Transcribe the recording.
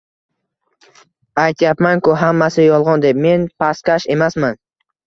Aytayapman-ku, hammasi yolg`on deb, men pastkash emasman